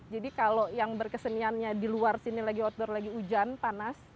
jadi kalau yang berkeseniannya di luar sini lagi outdoor lagi hujan panas